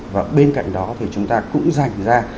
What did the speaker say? và bên cạnh đó thì chúng ta cũng dành ra